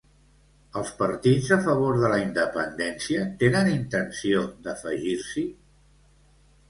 Els partits a favor de la independència tenen intenció d'afegir-s'hi?